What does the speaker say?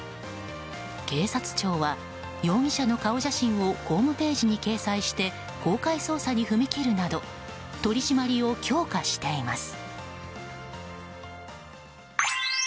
警察庁は容疑者の顔写真をホームページに掲載して公開捜査に踏み切るなど取り締まりを強化しています。